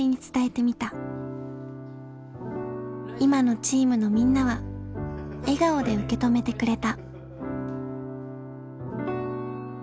今のチームのみんなは笑顔で受け止めてくれた。